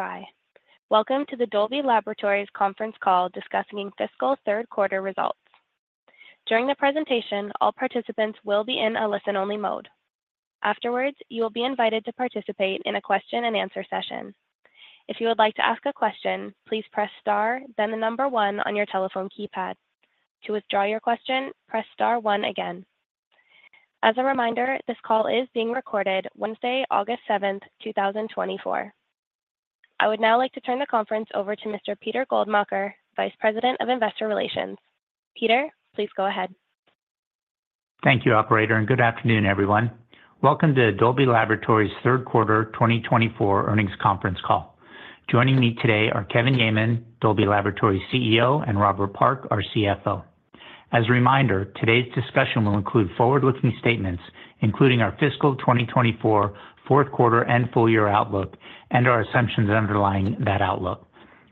Hi. Welcome to the Dolby Laboratories conference call discussing fiscal third quarter results. During the presentation, all participants will be in a listen-only mode. Afterwards, you will be invited to participate in a question-and-answer session. If you would like to ask a question, please press star, then the number one on your telephone keypad. To withdraw your question, press star one again. As a reminder, this call is being recorded Wednesday, August 7th, 2024. I would now like to turn the conference over to Mr. Peter Goldmacher, Vice President of Investor Relations. Peter, please go ahead. Thank you, operator, and good afternoon, everyone. Welcome to Dolby Laboratories' third quarter 2024 earnings conference call. Joining me today are Kevin Yeaman, Dolby Laboratories' CEO, and Robert Park, our CFO. As a reminder, today's discussion will include forward-looking statements, including our fiscal 2024 fourth quarter and full year outlook, and our assumptions underlying that outlook.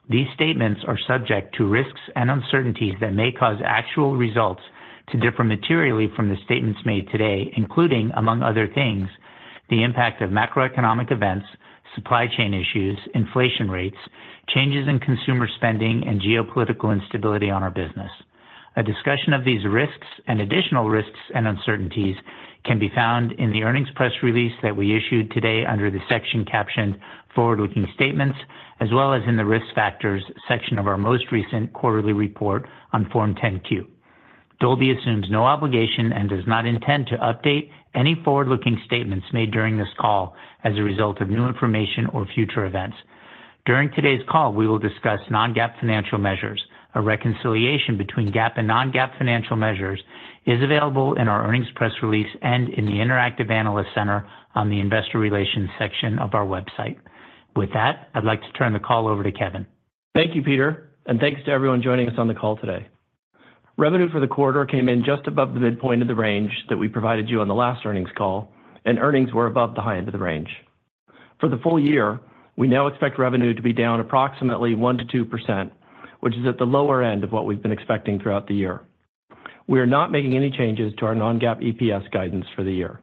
These statements are subject to risks and uncertainties that may cause actual results to differ materially from the statements made today, including, among other things, the impact of macroeconomic events, supply chain issues, inflation rates, changes in consumer spending, and geopolitical instability on our business. A discussion of these risks and additional risks and uncertainties can be found in the earnings press release that we issued today under the section captioned Forward-Looking Statements, as well as in the Risk Factors section of our most recent quarterly report on Form 10-Q. Dolby assumes no obligation and does not intend to update any forward-looking statements made during this call as a result of new information or future events. During today's call, we will discuss non-GAAP financial measures. A reconciliation between GAAP and non-GAAP financial measures is available in our earnings press release and in the Interactive Analyst Center on the Investor Relations section of our website. With that, I'd like to turn the call over to Kevin. Thank you, Peter, and thanks to everyone joining us on the call today. Revenue for the quarter came in just above the midpoint of the range that we provided you on the last earnings call, and earnings were above the high end of the range. For the full year, we now expect revenue to be down approximately 1%-2%, which is at the lower end of what we've been expecting throughout the year. We are not making any changes to our non-GAAP EPS guidance for the year.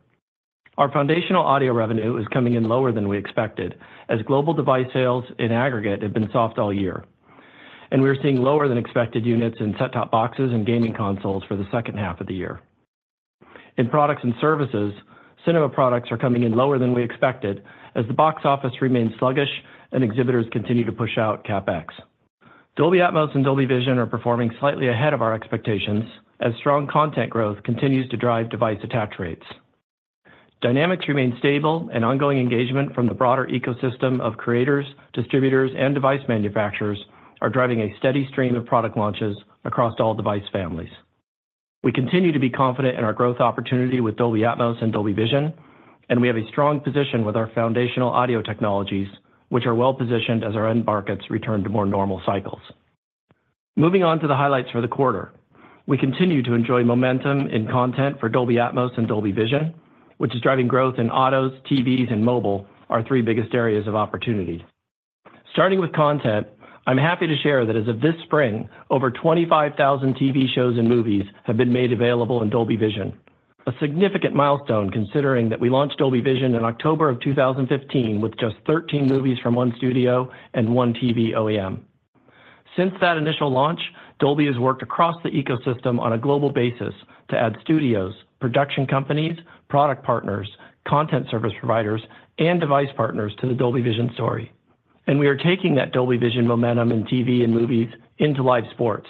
Our foundational audio revenue is coming in lower than we expected, as global device sales in aggregate have been soft all year, and we are seeing lower than expected units in set-top boxes and gaming consoles for the second half of the year. In products and services, cinema products are coming in lower than we expected as the box office remains sluggish and exhibitors continue to push out CapEx. Dolby Atmos and Dolby Vision are performing slightly ahead of our expectations as strong content growth continues to drive device attach rates. Dynamics remain stable and ongoing engagement from the broader ecosystem of creators, distributors, and device manufacturers are driving a steady stream of product launches across all device families. We continue to be confident in our growth opportunity with Dolby Atmos and Dolby Vision, and we have a strong position with our foundational audio technologies, which are well-positioned as our end markets return to more normal cycles. Moving on to the highlights for the quarter. We continue to enjoy momentum in content for Dolby Atmos and Dolby Vision, which is driving growth in autos, TVs, and mobile, our three biggest areas of opportunity. Starting with content, I'm happy to share that as of this spring, over 25,000 TV shows and movies have been made available in Dolby Vision. A significant milestone, considering that we launched Dolby Vision in October 2015 with just 13 movies from one studio and one TV OEM. Since that initial launch, Dolby has worked across the ecosystem on a global basis to add studios, production companies, product partners, content service providers, and device partners to the Dolby Vision story, and we are taking that Dolby Vision momentum in TV and movies into live sports.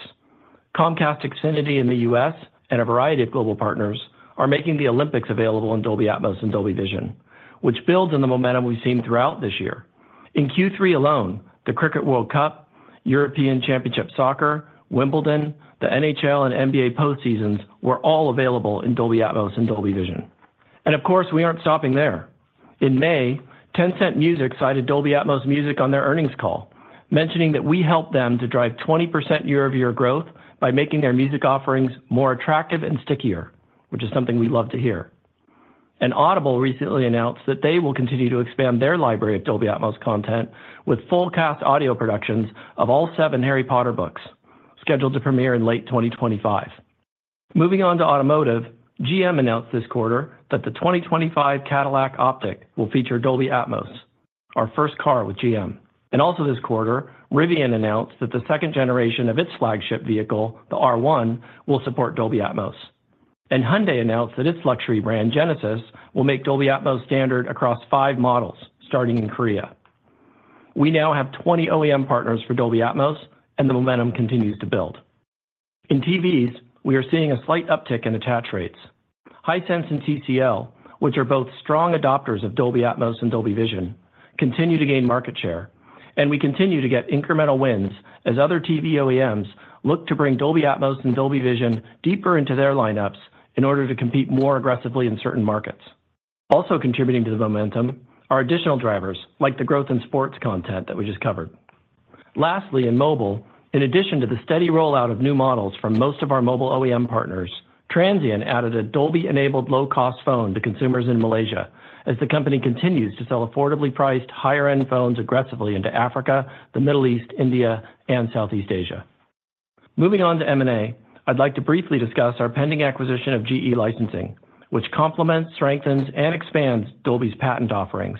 Comcast Xfinity in the U.S. and a variety of global partners are making the Olympics available on Dolby Atmos and Dolby Vision, which builds on the momentum we've seen throughout this year. In Q3 alone, the Cricket World Cup, European Championship Soccer, Wimbledon, the NHL, and NBA postseasons were all available in Dolby Atmos and Dolby Vision. Of course, we aren't stopping there. In May, Tencent Music cited Dolby Atmos Music on their earnings call, mentioning that we helped them to drive 20% year-over-year growth by making their music offerings more attractive and stickier, which is something we love to hear. Audible recently announced that they will continue to expand their library of Dolby Atmos content with full cast audio productions of all seven Harry Potter books, scheduled to premiere in late 2025. Moving on to automotive. GM announced this quarter that the 2025 Cadillac OPTIQ will feature Dolby Atmos, our first car with GM. Also this quarter, Rivian announced that the second generation of its flagship vehicle, the R1, will support Dolby Atmos. Hyundai announced that its luxury brand, Genesis, will make Dolby Atmos standard across five models, starting in Korea. We now have 20 OEM partners for Dolby Atmos, and the momentum continues to build. In TVs, we are seeing a slight uptick in attach rates. Hisense and TCL, which are both strong adopters of Dolby Atmos and Dolby Vision, continue to gain market share, and we continue to get incremental wins as other TV OEMs look to bring Dolby Atmos and Dolby Vision deeper into their lineups in order to compete more aggressively in certain markets. Also contributing to the momentum are additional drivers, like the growth in sports content that we just covered. Lastly, in mobile, in addition to the steady rollout of new models from most of our mobile OEM partners, Transsion added a Dolby-enabled low-cost phone to consumers in Malaysia as the company continues to sell affordably priced, higher-end phones aggressively into Africa, the Middle East, India, and Southeast Asia. Moving on to M&A, I'd like to briefly discuss our pending acquisition of GE Licensing, which complements, strengthens, and expands Dolby's patent offerings,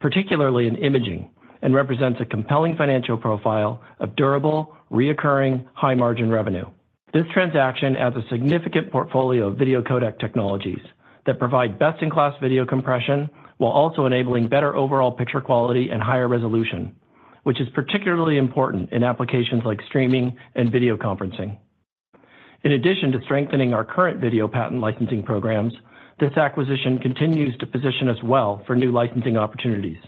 particularly in imaging, and represents a compelling financial profile of durable, recurring, high-margin revenue. This transaction adds a significant portfolio of video codec technologies that provide best-in-class video compression, while also enabling better overall picture quality and higher resolution, which is particularly important in applications like streaming and video conferencing. In addition to strengthening our current video patent licensing programs, this acquisition continues to position us well for new licensing opportunities.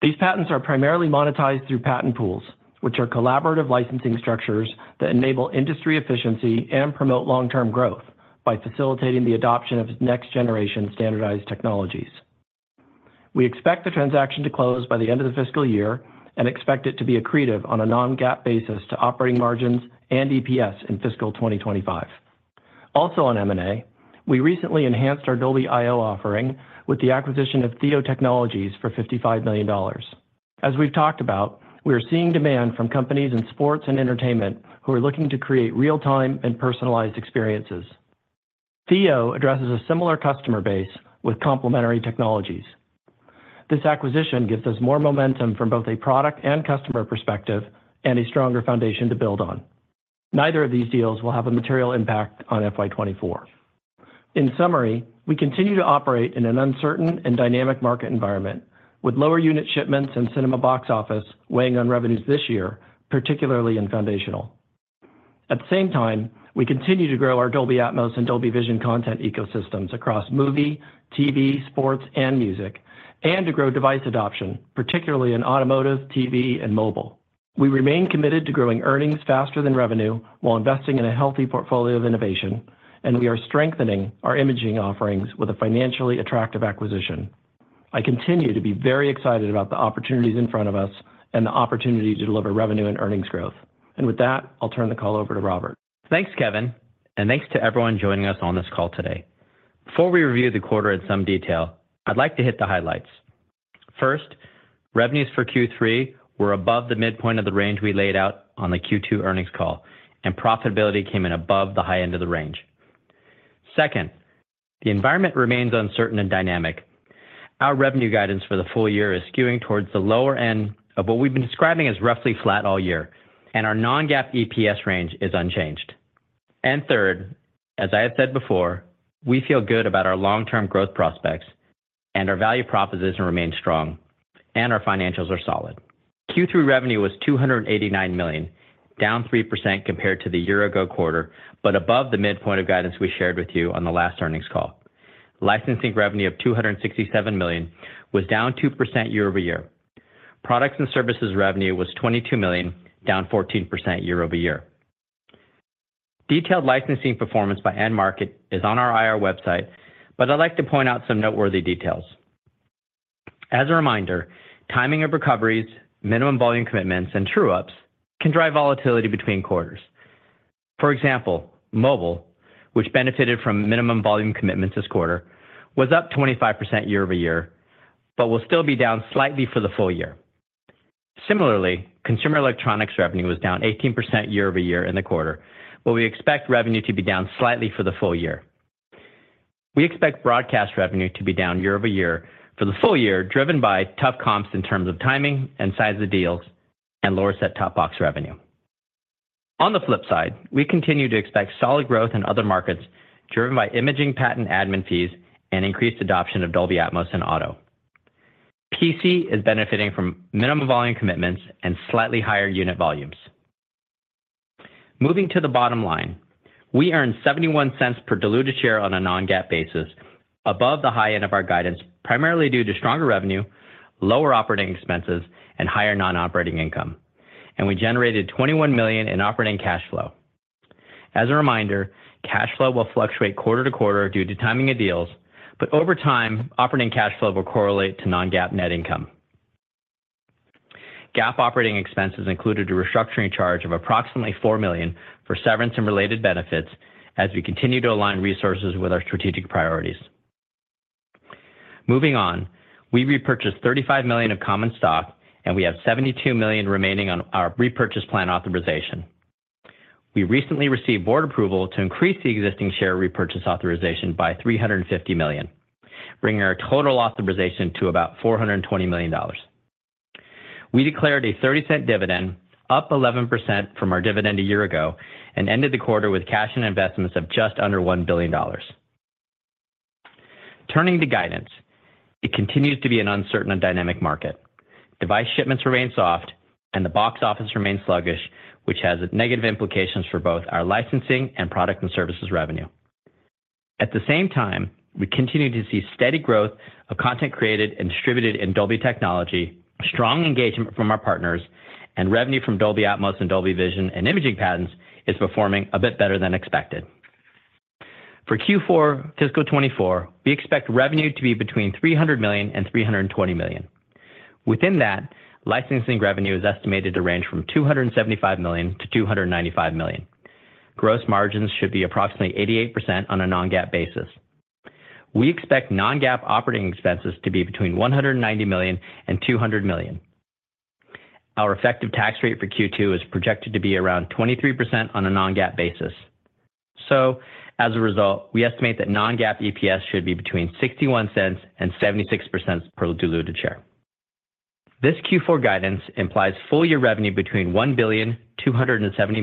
These patents are primarily monetized through patent pools, which are collaborative licensing structures that enable industry efficiency and promote long-term growth by facilitating the adoption of next-generation standardized technologies. We expect the transaction to close by the end of the fiscal year and expect it to be accretive on a non-GAAP basis to operating margins and EPS in fiscal 2025. Also on M&A, we recently enhanced Dolby.io offering with the acquisition of THEO Technologies for $55 million. As we've talked about, we are seeing demand from companies in sports and entertainment who are looking to create real-time and personalized experiences. THEO addresses a similar customer base with complementary technologies. This acquisition gives us more momentum from both a product and customer perspective, and a stronger foundation to build on. Neither of these deals will have a material impact on FY 2024. In summary, we continue to operate in an uncertain and dynamic market environment, with lower unit shipments and cinema box office weighing on revenues this year, particularly in foundational. At the same time, we continue to grow our Dolby Atmos and Dolby Vision content ecosystems across movie, TV, sports, and music, and to grow device adoption, particularly in automotive, TV, and mobile. We remain committed to growing earnings faster than revenue while investing in a healthy portfolio of innovation, and we are strengthening our imaging offerings with a financially attractive acquisition. I continue to be very excited about the opportunities in front of us and the opportunity to deliver revenue and earnings growth. With that, I'll turn the call over to Robert. Thanks, Kevin, and thanks to everyone joining us on this call today. Before we review the quarter in some detail, I'd like to hit the highlights. First, revenues for Q3 were above the midpoint of the range we laid out on the Q2 earnings call, and profitability came in above the high end of the range. Second, the environment remains uncertain and dynamic. Our revenue guidance for the full year is skewing towards the lower end of what we've been describing as roughly flat all year, and our non-GAAP EPS range is unchanged. Third, as I have said before, we feel good about our long-term growth prospects, and our value proposition remains strong, and our financials are solid. Q3 revenue was $289 million, down 3% compared to the year-ago quarter, but above the midpoint of guidance we shared with you on the last earnings call. Licensing revenue of $267 million was down 2% year-over-year. Products and services revenue was $22 million, down 14% year-over-year. Detailed licensing performance by end market is on our IR website, but I'd like to point out some noteworthy details. As a reminder, timing of recoveries, minimum volume commitments, and true-ups can drive volatility between quarters. For example, mobile, which benefited from minimum volume commitments this quarter, was up 25% year-over-year, but will still be down slightly for the full year. Similarly, consumer electronics revenue was down 18% year-over-year in the quarter, but we expect revenue to be down slightly for the full year. We expect broadcast revenue to be down year-over-year for the full year, driven by tough comps in terms of timing and size of the deals and lower set-top box revenue. On the flip side, we continue to expect solid growth in other markets, driven by imaging patent admin fees and increased adoption of Dolby Atmos in auto. PC is benefiting from minimum volume commitments and slightly higher unit volumes. Moving to the bottom line, we earned $0.71 per diluted share on a non-GAAP basis, above the high end of our guidance, primarily due to stronger revenue, lower operating expenses, and higher non-operating income, and we generated $21 million in operating cash flow. As a reminder, cash flow will fluctuate quarter-to-quarter due to timing of deals, but over time, operating cash flow will correlate to non-GAAP net income. GAAP operating expenses included a restructuring charge of approximately $4 million for severance and related benefits as we continue to align resources with our strategic priorities. Moving on, we repurchased 35 million of common stock, and we have 72 million remaining on our repurchase plan authorization. We recently received board approval to increase the existing share repurchase authorization by $350 million, bringing our total authorization to about $420 million. We declared a $0.30 dividend, up 11% from our dividend a year ago, and ended the quarter with cash and investments of just under $1 billion. Turning to guidance, it continues to be an uncertain and dynamic market. Device shipments remain soft and the box office remains sluggish, which has negative implications for both our licensing and product and services revenue. At the same time, we continue to see steady growth of content created and distributed in Dolby technology, strong engagement from our partners, and revenue from Dolby Atmos and Dolby Vision and imaging patents is performing a bit better than expected. For Q4 fiscal 2024, we expect revenue to be between $300 million and $320 million. Within that, licensing revenue is estimated to range from $275 million-$295 million. Gross margins should be approximately 88% on a non-GAAP basis. We expect non-GAAP operating expenses to be between $190 million and $200 million. Our effective tax rate for Q2 is projected to be around 23% on a non-GAAP basis. So as a result, we estimate that non-GAAP EPS should be between $0.61 and $0.76 per diluted share. This Q4 guidance implies full year revenue between $1.27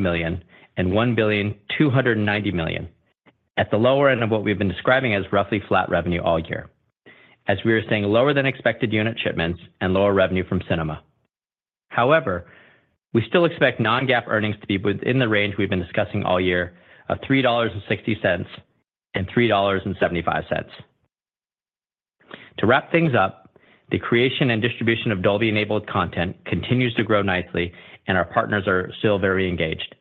billion and $1.29 billion, at the lower end of what we've been describing as roughly flat revenue all year, as we are seeing lower than expected unit shipments and lower revenue from cinema. However, we still expect non-GAAP earnings to be within the range we've been discussing all year of $3.60 and $3.75. To wrap things up, the creation and distribution of Dolby-enabled content continues to grow nicely, and our partners are still very engaged.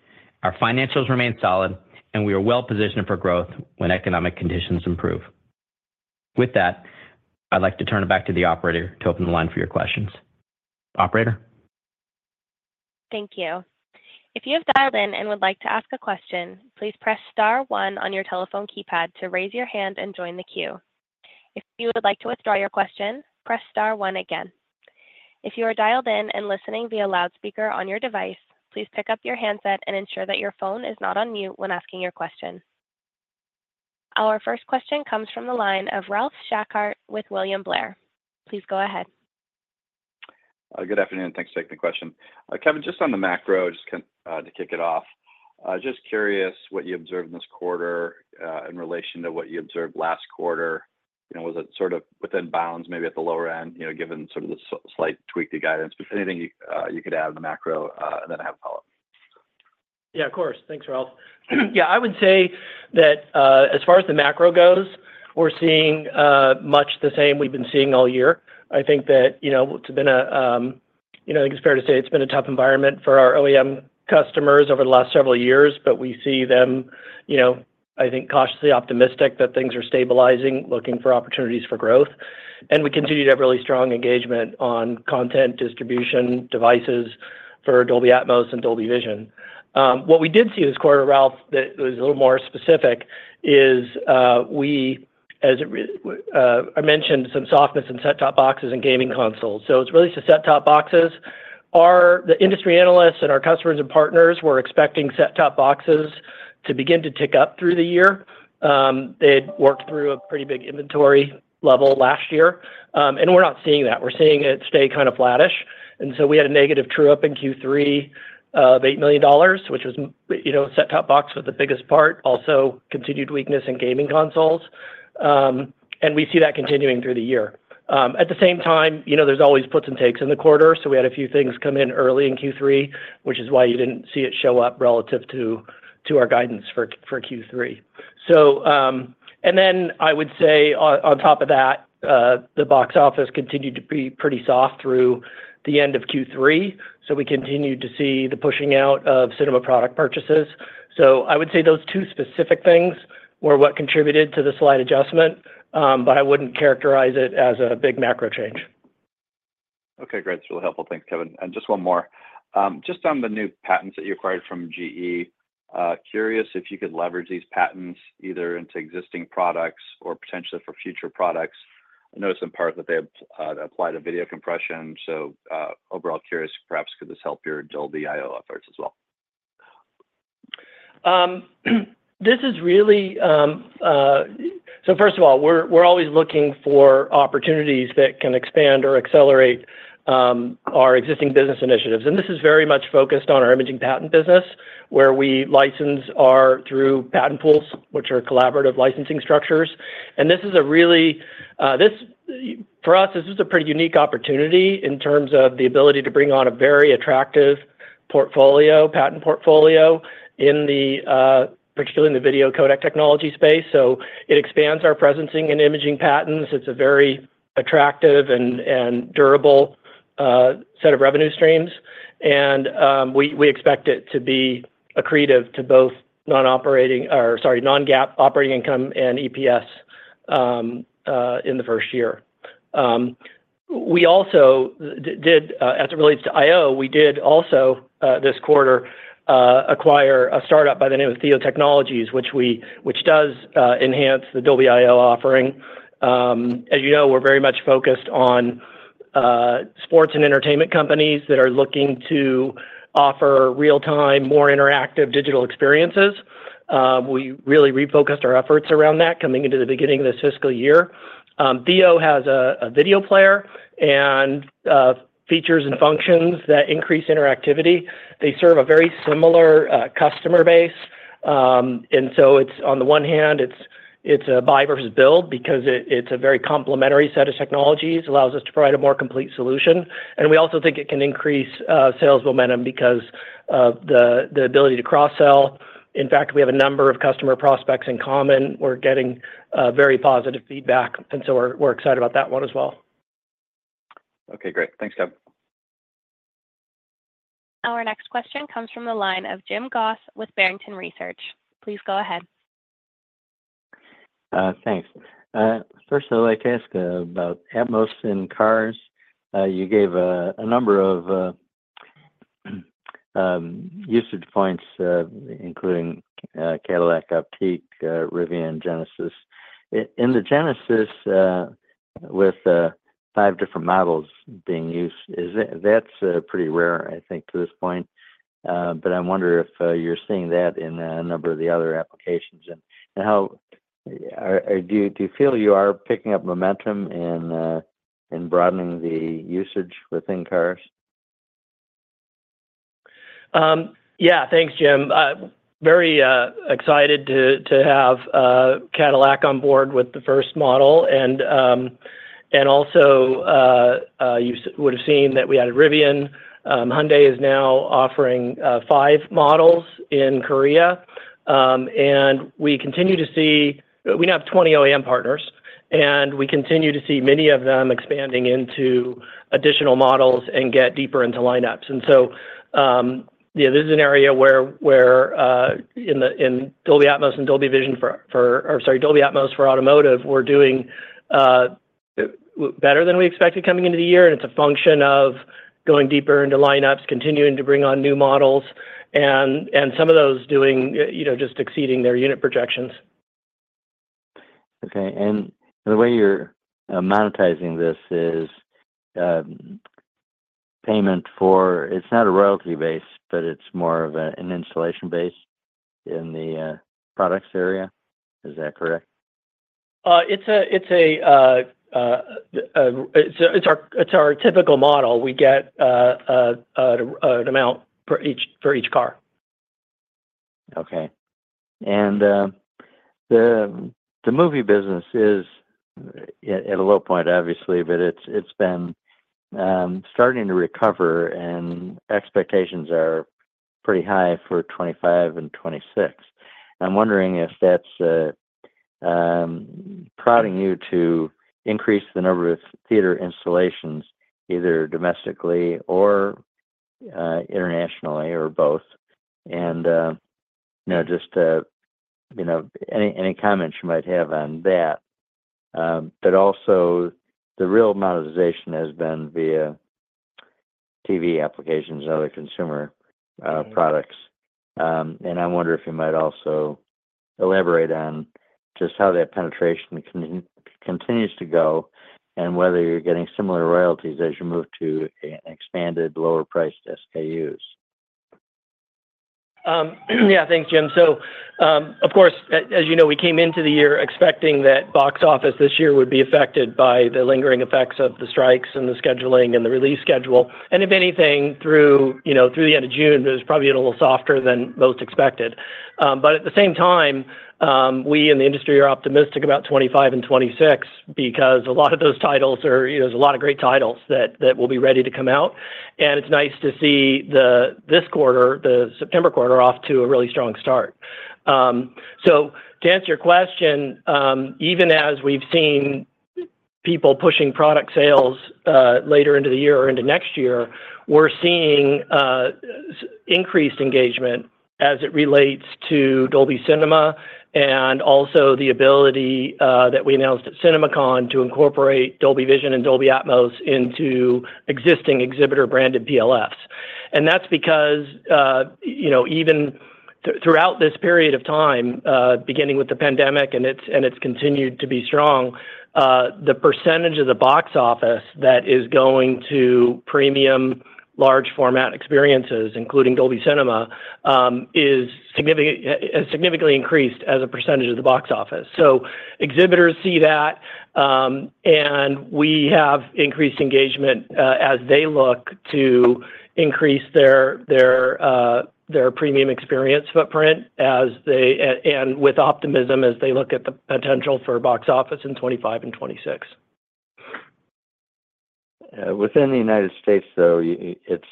Our financials remain solid, and we are well-positioned for growth when economic conditions improve. With that, I'd like to turn it back to the operator to open the line for your questions. Operator? Thank you. If you have dialed in and would like to ask a question, please press star one on your telephone keypad to raise your hand and join the queue. If you would like to withdraw your question, press star one again. If you are dialed in and listening via loudspeaker on your device, please pick up your handset and ensure that your phone is not on mute when asking your question. Our first question comes from the line of Ralph Schackart with William Blair. Please go ahead. Good afternoon, and thanks for taking the question. Kevin, just on the macro, just kind to kick it off, just curious what you observed in this quarter in relation to what you observed last quarter? You know, was it sort of within bounds, maybe at the lower end, you know, given sort of the slight tweak to guidance, but anything you could add on the macro, and then I have a follow-up. Yeah, of course. Thanks, Ralph. Yeah, I would say that, as far as the macro goes, we're seeing, much the same we've been seeing all year. I think that, you know, it's been a, you know, I think it's fair to say it's been a tough environment for our OEM customers over the last several years, but we see them, you know, I think, cautiously optimistic that things are stabilizing, looking for opportunities for growth, and we continue to have really strong engagement on content distribution devices for Dolby Atmos and Dolby Vision. What we did see this quarter, Ralph, that was a little more specific is, I mentioned some softness in set-top boxes and gaming consoles. So it's really to set-top boxes. The industry analysts and our customers and partners were expecting set-top boxes to begin to tick up through the year. They had worked through a pretty big inventory level last year, and we're not seeing that. We're seeing it stay kind of flattish, and so we had a negative true-up in Q3 of $8 million, which was, you know, set-top box was the biggest part, also continued weakness in gaming consoles. And we see that continuing through the year. At the same time, you know, there's always puts and takes in the quarter, so we had a few things come in early in Q3, which is why you didn't see it show up relative to our guidance for Q3. So, and then I would say on top of that, the box office continued to be pretty soft through the end of Q3, so we continued to see the pushing out of cinema product purchases. So I would say those two specific things were what contributed to the slight adjustment, but I wouldn't characterize it as a big macro change. Okay, great. It's really helpful. Thanks, Kevin. And just one more. Just on the new patents that you acquired from GE, curious if you could leverage these patents either into existing products or potentially for future products? I noticed in part that they have applied a video compression, so overall curious, perhaps, could this help Dolby.io efforts as well? This is really, so first of all, we're, we're always looking for opportunities that can expand or accelerate, our existing business initiatives, and this is very much focused on our imaging patent business, where we license our through patent pools, which are collaborative licensing structures. And this is a really, this, for us, this is a pretty unique opportunity in terms of the ability to bring on a very attractive portfolio, patent portfolio in the, particularly in the video codec technology space. So it expands our presence in imaging patents. It's a very attractive and, and durable, set of revenue streams, and, we, we expect it to be accretive to both non-operating, or sorry, non-GAAP operating income and EPS, in the first year. We also did, as it relates to IO, we did also this quarter acquire a startup by the name of THEO Technologies, which does enhance the Dolby.io offering. As you know, we're very much focused on sports and entertainment companies that are looking to offer real-time, more interactive digital experiences. We really refocused our efforts around that coming into the beginning of this fiscal year. THEO has a video player and features and functions that increase interactivity. They serve a very similar customer base, and so it's, on the one hand, it's a buy versus build because it's a very complementary set of technologies, allows us to provide a more complete solution. And we also think it can increase sales momentum because of the ability to cross-sell. In fact, we have a number of customer prospects in common. We're getting very positive feedback, and so we're, we're excited about that one as well. Okay, great. Thanks, Kevin. Our next question comes from the line of Jim Goss with Barrington Research. Please go ahead. Thanks. First, I'd like to ask about Atmos in cars. You gave a number of usage points, including Cadillac OPTIQ, Rivian, Genesis. In the Genesis, with five different models being used, is that pretty rare, I think, to this point. But I wonder if you're seeing that in a number of the other applications, and how, or do you feel you are picking up momentum in broadening the usage within cars? Yeah, thanks, Jim. Very excited to have Cadillac on board with the first model. And also, you would have seen that we added Rivian. Hyundai is now offering five models in Korea. And we continue to see, we now have 20 OEM partners, and we continue to see many of them expanding into additional models and get deeper into lineups. And so, yeah, this is an area where in Dolby Atmos and Dolby Vision for, or sorry, Dolby Atmos for automotive, we're doing better than we expected coming into the year. And it's a function of going deeper into lineups, continuing to bring on new models, and some of those doing you know just exceeding their unit projections. Okay. And the way you're monetizing this is payment for. It's not a royalty base, but it's more of a, an installation base in the products area. Is that correct? It's our typical model. We get an amount per each, for each car. Okay. And the movie business is at a low point, obviously, but it's been starting to recover, and expectations are pretty high for 2025 and 2026. I'm wondering if that's prodding you to increase the number of theater installations, either domestically or internationally, or both? And you know, just to you know, any comments you might have on that. But also, the real monetization has been via TV applications and other consumer products. And I wonder if you might also elaborate on just how that penetration continues to go, and whether you're getting similar royalties as you move to an expanded lower-priced SKUs. Yeah, thanks, Jim. So, of course, as you know, we came into the year expecting that box office this year would be affected by the lingering effects of the strikes and the scheduling and the release schedule. And if anything, through, you know, through the end of June, it was probably a little softer than most expected. But at the same time, we in the industry are optimistic about 2025 and 2026 because a lot of those titles are, you know, there's a lot of great titles that will be ready to come out, and it's nice to see this quarter, the September quarter, off to a really strong start. So to answer your question, even as we've seen people pushing product sales, later into the year or into next year, we're seeing, increased engagement as it relates to Dolby Cinema and also the ability, that we announced at CinemaCon to incorporate Dolby Vision and Dolby Atmos into existing exhibitor-branded PLFs. And that's because, you know, even throughout this period of time, beginning with the pandemic, and it's continued to be strong, the percentage of the box office that is going to premium large format experiences, including Dolby Cinema, has significantly increased as a percentage of the box office. So exhibitors see that, and we have increased engagement, as they look to increase their premium experience footprint as they, and with optimism, as they look at the potential for box office in 2025 and 2026. Within the United States, though, it's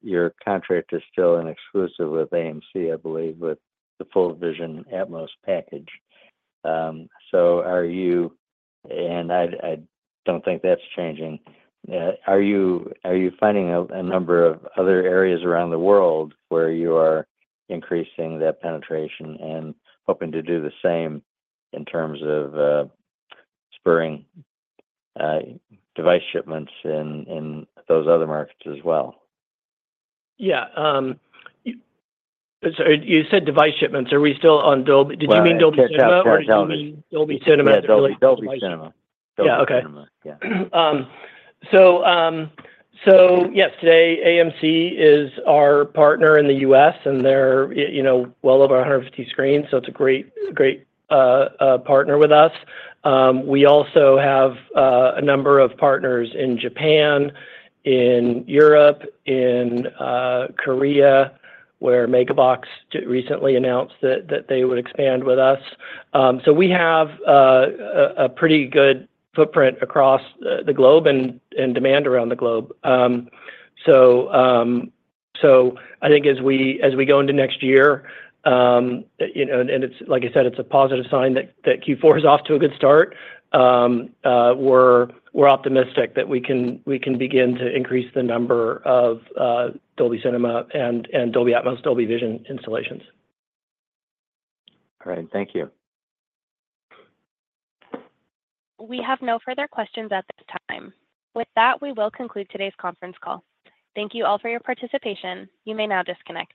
your contract is still an exclusive with AMC, I believe, with the full Vision Atmos package. So, and I don't think that's changing. Are you finding in a number of other areas around the world where you are increasing that penetration and hoping to do the same in terms of spurring device shipments in those other markets as well? Yeah, so you said device shipments. Are we still on Dolby? Well. Did you mean Dolby Cinema? Catch up. Yeah, Dolby. Or did you mean Dolby Cinema? Yeah, Dolby, Dolby Cinema. Yeah, okay. Dolby Cinema. Yeah. So yes, today, AMC is our partner in the U.S., and they're you know, well over 150 screens, so it's a great, great partner with us. We also have a number of partners in Japan, in Europe, in Korea, where Megabox recently announced that they would expand with us. So we have a pretty good footprint across the globe and demand around the globe. So I think as we go into next year, you know, and it's like I said, it's a positive sign that Q4 is off to a good start. We're optimistic that we can begin to increase the number of Dolby Cinema and Dolby Atmos, Dolby Vision installations. All right. Thank you. We have no further questions at this time. With that, we will conclude today's conference call. Thank you all for your participation. You may now disconnect.